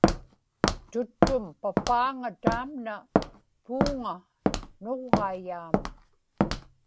tuttum papaaŋa taamna puuŋa nuġġaiyaam